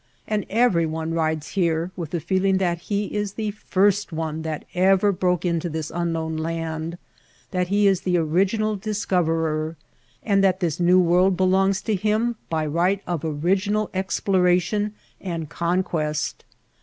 And everyone rides here with the feel ing that he is the first one that ever broke into this unknown land, that he is the original dis coverer; and that this new world belongs to him by right of original exploration and con quest.